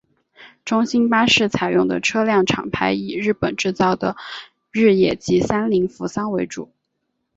中兴巴士采用的车辆厂牌以日本制造的日野及三菱扶桑为主。